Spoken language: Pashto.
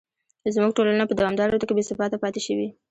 زموږ ټولنه په دوامداره توګه بې ثباته پاتې شوې.